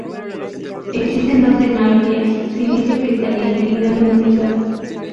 Existen dos tecnologías: silicio cristalino y láminas delgadas.